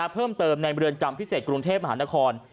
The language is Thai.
เพิ่มเติมในเรือนจำพิเศษกรุงเทพมหานคร